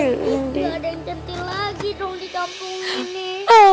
gak ada yang cantik lagi dong di kampung ini